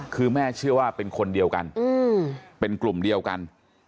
คือแม่เชื่อว่าเป็นคนเดียวกันเป็นกลุ่มเดียวกัน